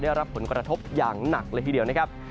ได้รับผลกระทบอย่างหนักเลยทีเดียวนะครับ